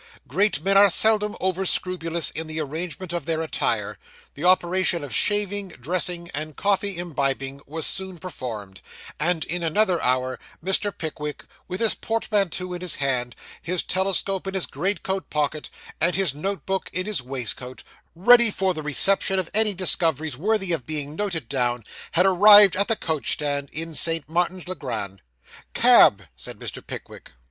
Great men are seldom over scrupulous in the arrangement of their attire; the operation of shaving, dressing, and coffee imbibing was soon performed; and, in another hour, Mr. Pickwick, with his portmanteau in his hand, his telescope in his greatcoat pocket, and his note book in his waistcoat, ready for the reception of any discoveries worthy of being noted down, had arrived at the coach stand in St. Martin's le Grand. 'Cab!' said Mr. Pickwick.